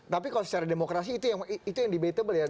tapi kalau secara demokrasi itu yang debatable ya